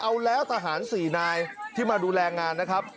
เอาแล้วทหาร๔นายที่มาดูแลงานนะครับ